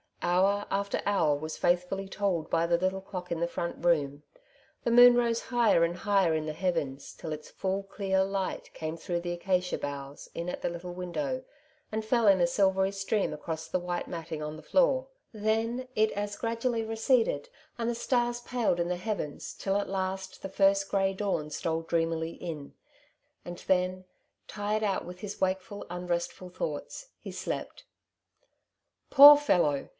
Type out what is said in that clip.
Hour after hour was faithfully told by the little clock in the front room ; the moon rose higher and higher in the heavens, till its full clear light came through the acacia boughs in at the little window, and fell in a silvery stream across the white matting on the floor ; then it as gradually receded, and the stars paled in the heavens, tUl at Temptation, 115 last the first grey dawn stole dreamily in; and then, tired out with his wakeful, unrestful thoughts, he slept. Poor fellow